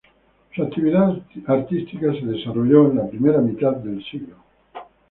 Su actividad artística se desarrolló en la primera mitad del siglo.